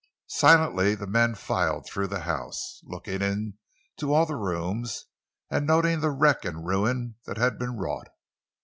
Silently the men filed through the house, looking into all the rooms, and noting the wreck and ruin that had been wrought.